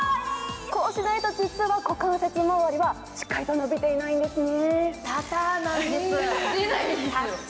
こうしないと股関節まわりはしっかりと伸びていないんですね。